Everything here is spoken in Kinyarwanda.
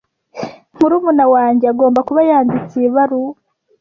Murumuna wanjye agomba kuba yanditse iyi baruwa.